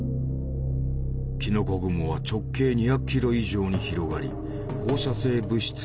キノコ雲は直径２００キロ以上に広がり放射性物質をまき散らした。